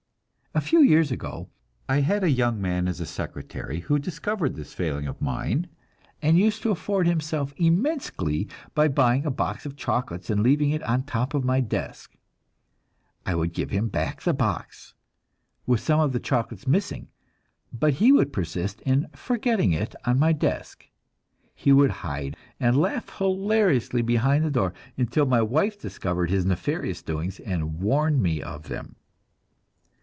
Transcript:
A few years ago I had a young man as secretary who discovered this failing of mine, and used to afford himself immense glee by buying a box of chocolates and leaving it on top of my desk. I would give him back the box with some of the chocolates missing but he would persist in "forgetting it" on my desk; he would hide and laugh hilariously behind the door, until my wife discovered his nefarious doings, and warned me of them.